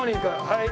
はい。